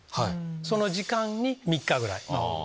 その時間に３日ぐらい。